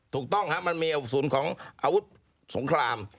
ถูกต้องครับมันมีกระสุนของอาวุธสงคราม